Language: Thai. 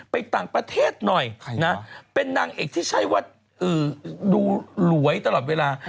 ไปต่างประเทศหน่อยนะเป็นนางเอกที่ใช้ว่าดูหลวยตลอดเวลา